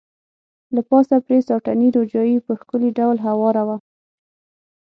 له پاسه پرې ساټني روجايي په ښکلي ډول هواره وه.